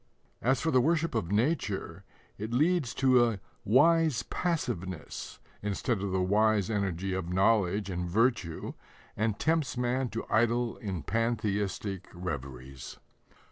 As for the worship of nature, it leads to a "wise passiveness" instead of the wise energy of knowledge and virtue, and tempts man to idle in pantheistic reveries.